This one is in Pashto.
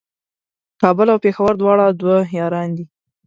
کابل او پېښور دواړه دوه یاران دي